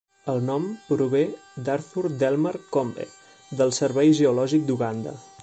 El nom prové d'Arthur Delmar Combe, del Servei geològic d'Uganda.